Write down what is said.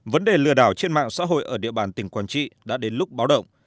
vấn đề lừa đảo trên mạng xã hội ở địa bàn tỉnh quảng trị đã đến lúc báo động